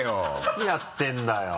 何やってんだよ。